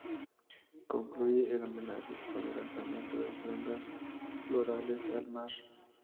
Concluye el homenaje con el lanzamiento de ofrendas florales al mar.